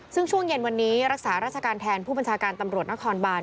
ซึ่งช่วงเย็นวันนี้รักษาราชการแทนผู้บัญชาการตำรวจนครบาน